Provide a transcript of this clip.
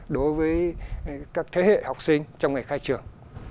đối với các thế hệ học sinh trong ngày khai trường